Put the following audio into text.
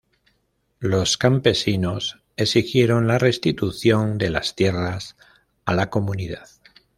Los campesinos exigieron la restitución de las tierras a la comunidad.